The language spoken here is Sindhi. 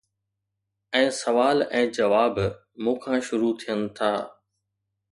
۽ سوال ۽ جواب مون کان شروع ٿين ٿا.